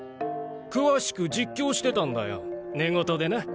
詳しく実況してたんだよ寝言でな。